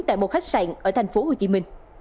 tại một khách sạn ở tp hcm